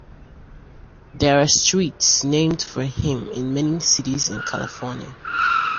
There are streets named for him in many cities in California.